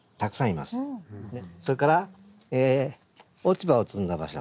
それから落ち葉を積んだ場所